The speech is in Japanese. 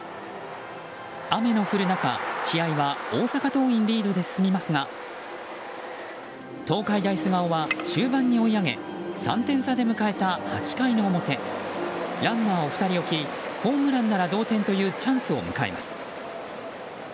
雨の降る中、試合は大阪桐蔭リードで進みますが東海大菅生は終盤に追い上げ３点差で迎えた８回の表ランナーを２人置きホームランなら同点というチャンスを迎えます。